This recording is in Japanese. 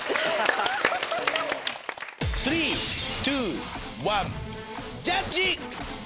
３２１ジャッジ。